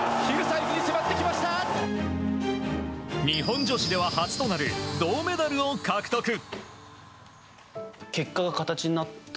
日本女子では初となる銅メダルを獲得。